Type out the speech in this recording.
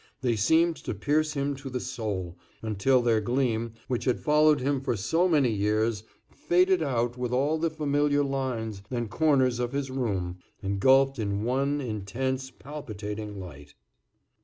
They seemed to pierce him to the soul, until their gleam, which had followed him for so many years, faded out with all the familiar lines and corners of his room, engulfed in one intense, palpitating light.